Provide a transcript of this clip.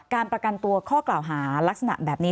การประกันตัวข้อกล่าวหาลักษณะแบบนี้